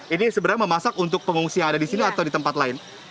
ini sebenarnya memasak untuk pengungsi yang ada di sini atau di tempat lain